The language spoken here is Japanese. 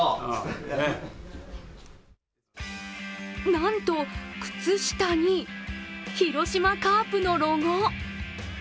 なんと、靴下に広島カープのロゴ！